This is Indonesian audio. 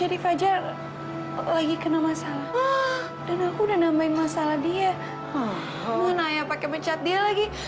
hai jadi fajar lagi kena masalah dan aku udah namain masalah dia mana ya pakai mencat dia lagi